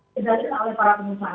dikendalikan oleh para pengusaha